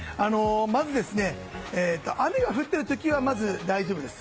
まず、雨が降っている時は大丈夫です。